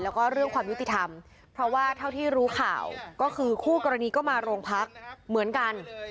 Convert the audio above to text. แล้วก็เรื่องความยุติธรรมเพราะว่าเท่าที่รู้ข่าวก็คือคู่กรณีก็มาโรงพักเหมือนกัน